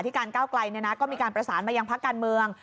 ที่การก้าวไกลเนี่ยนะก็มีการประสานมาอย่างพระการเมือง